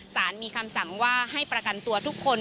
สารมีคำสั่งว่าให้ประกันตัวทุกคน